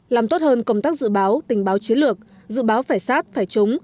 làm tốt hơn công tác dự báo tình báo chiến lược dự báo phải sát phải trúng